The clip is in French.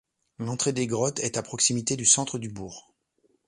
L'entrée des grottes est à proximité du centre du bourg.